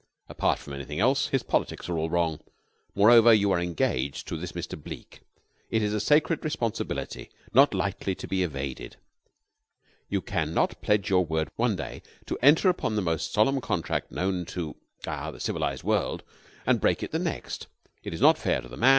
Apart from anything else, his politics are all wrong. Moreover, you are engaged to this Mr. Bleke. It is a sacred responsibility not lightly to be evaded. You can not pledge your word one day to enter upon the most solemn contract known to ah the civilized world, and break it the next. It is not fair to the man.